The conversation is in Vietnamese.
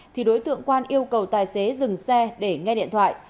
thì đối tượng quan yêu cầu tài xế dừng xe để nghe điện thoại